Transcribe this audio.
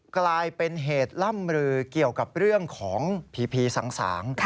กลายเป็นเหตุล่ำลือเกี่ยวกับเรื่องของผีสาง